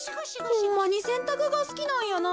ホンマにせんたくがすきなんやなぁ。